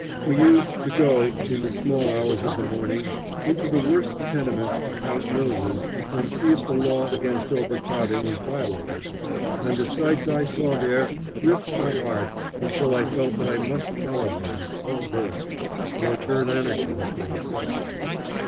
We used to go in the small hours of the morning into the worst tenements to count noses and see if the law against overcrowding was violated, and the sights I saw there gripped my heart until I felt that I must tell of them, or burst, or turn anarchist, or something.